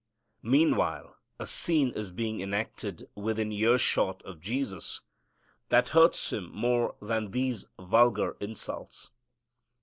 Meanwhile a scene is being enacted within ear shot of Jesus that hurts Him more than these vulgar insults.